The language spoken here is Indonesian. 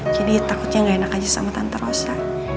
jadi takutnya gak enak aja sama tante rosa